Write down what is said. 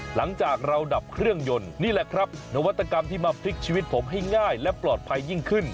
หลังจากเราดับเครื่องยนต์นี่แหละครับนวัตกรรมที่มาพลิกชีวิตผมให้ง่ายและปลอดภัยยิ่งขึ้น